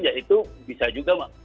ya itu bisa juga